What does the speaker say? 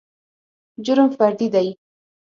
جرم فردي دى.